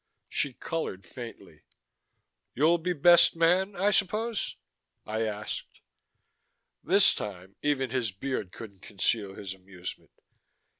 She colored faintly. "You'll be best man, I suppose?" I asked. This time, even his beard couldn't conceal his amusement.